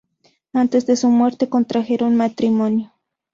Antes de su muerte contrajeron matrimonio.